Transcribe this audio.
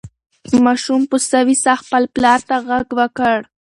ماشوم په سوې ساه خپل پلار ته غږ وکړ.